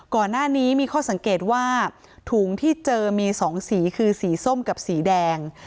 ก่อนหน้านี้มีข้อสังเกตว่าถุงที่เจอมี๒สีคือสีส้มกับสีแดง